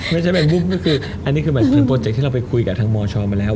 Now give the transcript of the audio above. ไม่ใช่แบบบุ๊บก็คืออันนี้คือแบบเป็นโปรเจกต์ที่เราไปคุยกับทางมชมาแล้ว